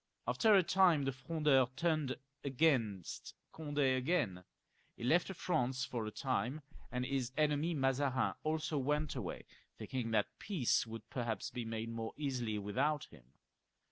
After a time the Frondeurs turned against Cond^ again ; he left France for a time, and his enemy Mazarin also went away, thinking that peace would perhaps be made more easily without him.